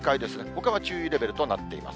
ほかは注意レベルとなっています。